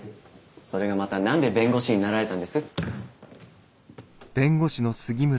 それがまた何で弁護士になられたんです？